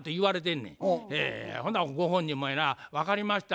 ほなご本人もやな「分かりました。